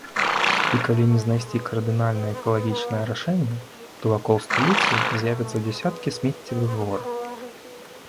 І калі не знайсці кардынальныя экалагічныя рашэнні, то вакол сталіцы з'явяцца дзясяткі смеццевых гор.